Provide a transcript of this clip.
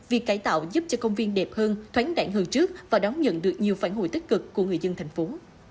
việc cải tạo giúp cho công viên đẹp hơn thoáng đạn hơn trước và đón nhận được nhiều phản hồi tích cực của người dân thành phố